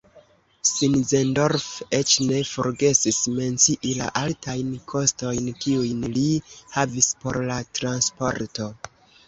Sinzendorf eĉ ne forgesis mencii la altajn kostojn kiujn li havis por la transporto.